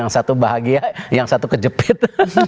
yang satu bahagia yang satu kejepit